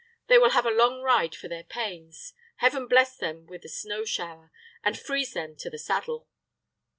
They will have a long ride for their pains. Heaven bless them with a snow shower, and freeze them to the saddle!"